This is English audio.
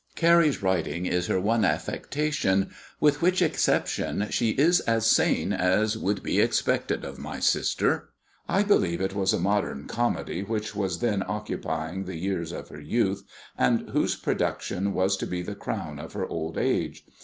Carrie's writing is her one affectation, with which exception she is as sane as would be expected of my sister. I believe it was a modern comedy which was then occupying the years of her youth, and whose production was to be the crown of her old age.